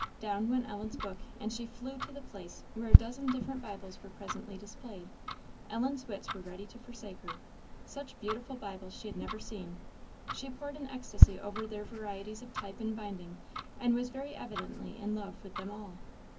Down went Ellen's book, and she flew to the place, where a dozen different Bibles were presently displayed. Ellen's wits were ready to forsake her. Such beautiful Bibles she had never seen; she pored in ecstasy over their varieties of type and binding, and was very evidently in love with them all.